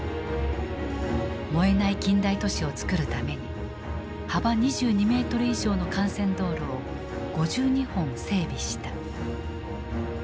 燃えない近代都市をつくるために幅２２メートル以上の幹線道路を５２本整備した。